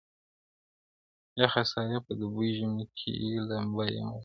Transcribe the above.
o یخه سایه په دوبي ژمي کي لمبه یمه زه,